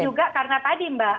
juga karena tadi mbak